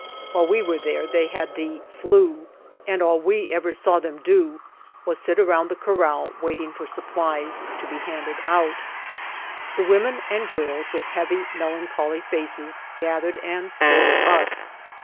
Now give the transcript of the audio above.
While we were there they had "the flu" and all we ever saw them do was sit around the corral waiting for supplies to be handed out. The women and girls, with heavy melancholy faces, gathered and stared at us.